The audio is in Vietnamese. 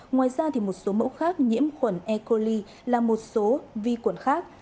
ngoài ra một số mẫu khác nhiễm khuẩn e coli là một số vi khuẩn khác